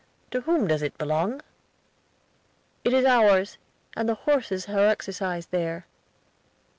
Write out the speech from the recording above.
To whom does it belong?" "It is ours, and the horses are exercised there."